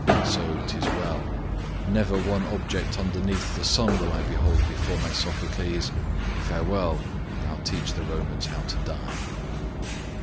So, 'tis well; Never one object underneath the sun Will I behold before my Sophocles: Farewell; now teach the Romans how to die.